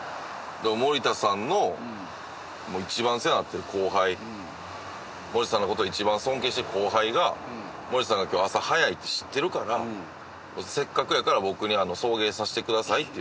森田さんの一番世話になってる後輩森田さんの事を一番尊敬してる後輩が森田さんが今日朝早いって知ってるからせっかくやから僕に送迎させてくださいって言って。